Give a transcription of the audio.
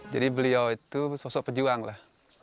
beliau itu sosok pejuang lah